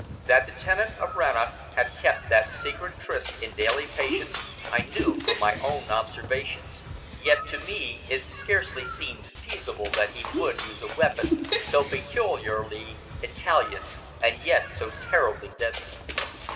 That the tenant of Rannoch had kept that secret tryst in daily patience I knew from my own observations, yet to me it scarcely seemed feasible that he would use a weapon so peculiarly Italian and yet so terribly deadly.